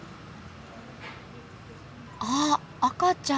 あっ赤ちゃん。